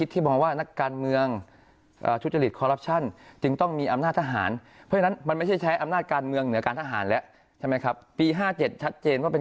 แต่ที่พี่โอ๊